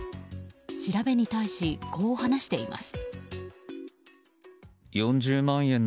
調べに対し、こう話しています。